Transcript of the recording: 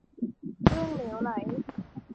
เรื่องเหลวไหล